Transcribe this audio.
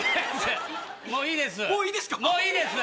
もういいですか？